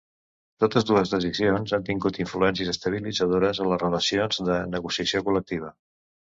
Totes dues decisions han tingut influències estabilitzadores a les relacions de negociació col·lectiva.